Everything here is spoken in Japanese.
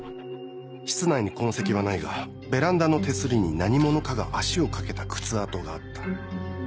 室内に痕跡はないがベランダの手すりに何者かが足を掛けた靴跡があった。